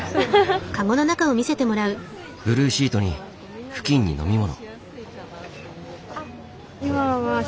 ブルーシートに布巾に飲み物。